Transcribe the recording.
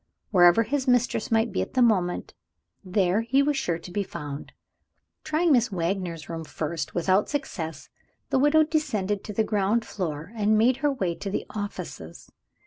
Wherever his Mistress might be at the moment, there he was sure to be found. Trying Mrs. Wagner's room first, without success, the widow descended to the ground floor and made her way to the offices.